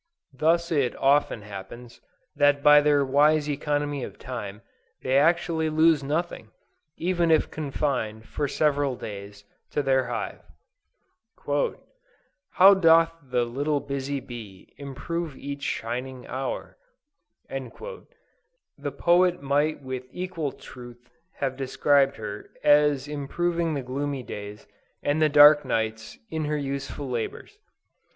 Thus it often happens, that by their wise economy of time, they actually lose nothing, even if confined, for several days, to their hive. "How doth the little busy bee, improve each shining hour!" The poet might with equal truth have described her, as improving the gloomy days, and the dark nights, in her useful labors.